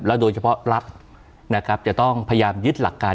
โดยเฉพาะรัฐนะครับจะต้องพยายามยึดหลักการ